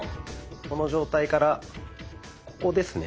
この状態からここですね。